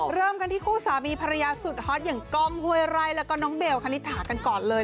เริ่มกันที่คู่สามีภรรยาสุดฮอตอย่างกล้องห้วยไร่แล้วก็น้องเบลคณิตถากันก่อนเลย